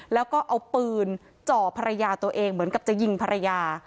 แล้วก็เอาปืนจ่อภรรยาตัวเองเหมือนกับจะยิงภรรยา